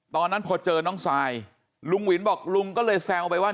ตอนนั้นพอเจอน้องซายลุงหวินบอกลุงก็เลยแซวไปว่า